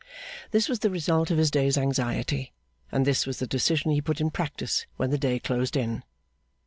This was the result of his day's anxiety, and this was the decision he put in practice when the day closed in.